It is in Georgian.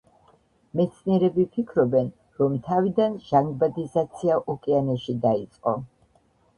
მეცნიერები ფიქრობენ, რომ თავიდან ჟანგბადიზაცია ოკეანეში დაიწყო.